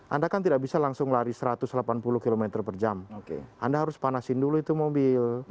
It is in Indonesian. anda kan tidak bisa langsung lari satu ratus delapan puluh km per jam anda harus panasin dulu itu mobil